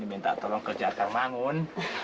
minta tolong kerjaan kang mangun